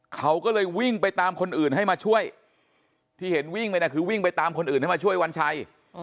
เขาก็เลยวิ่งไปตามคนอื่นให้มาช่วยที่เห็นวิ่งไปนะคือวิ่งไปตามคนอื่นให้มาช่วยวันชัย